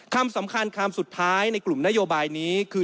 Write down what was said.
คำสำคัญคำสุดท้ายในกลุ่มนโยบายนี้คือ